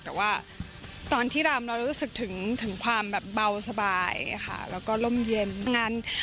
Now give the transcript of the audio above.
แต่ว่าตอนที่รำเราจะรู้สึกถึงความแบบเบาสบายค่ะแล้วก็ร่มเย็นงาน